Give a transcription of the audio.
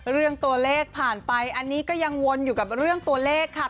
เรื่องตัวเลขผ่านไปอันนี้ก็ยังวนอยู่กับเรื่องตัวเลขค่ะ